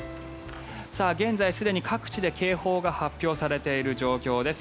現在、すでに各地で警報が発表されている状況です。